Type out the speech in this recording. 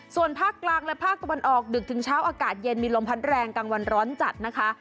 ส่วนภาคกลางและภาคตะวันออกดึกถึงเช้าอากาศเย็นมีลมพัดแรงกลางวันร้อนจัดนะคะ